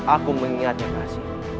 aku mengingatnya pak azin